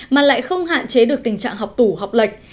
mà lại không hạn chế được tình trạng học tủ học lệch